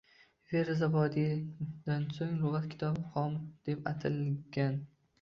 Feruzobodiydan so‘ng lug‘at kitoblari “qomus” deb atalgan.